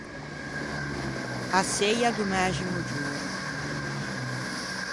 A seia do mæximo giorno.